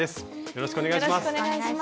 よろしくお願いします。